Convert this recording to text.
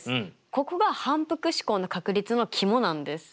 ここが反復試行の確率のキモなんです。